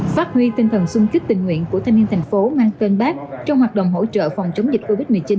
phát huy tinh thần sung kích tình nguyện của thanh niên thành phố mang tên bác trong hoạt động hỗ trợ phòng chống dịch covid một mươi chín